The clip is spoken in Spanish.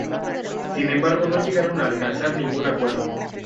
Sin embargo no llegaron a alcanzar ningún acuerdo.